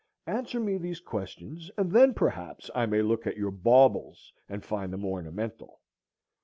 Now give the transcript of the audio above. Answer me these questions, and then perhaps I may look at your bawbles and find them ornamental.